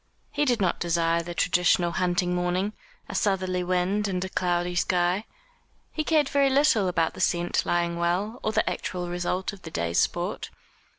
He did not desire the traditional hunting morning a southerly wind and a cloudy sky. He cared very little about the scent lying well, or the actual result of the day's sport.